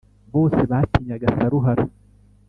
Bose batinyaga Saruhara